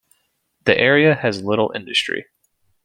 The area has little industry.